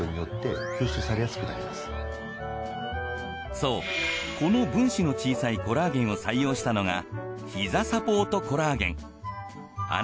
そうこの分子の小さいコラーゲンを採用したのがひざサポートコラーゲン。